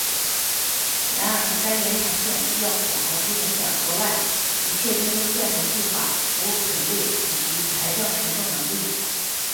然而该延长线需要符合不影响额外已确定路线的计划服务频率以及财政承受能力。